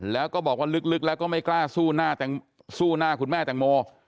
แล้วก็บอกว่าลึกแล้วก็ไม่กล้าสู้หน้าคุณแม่แตงโม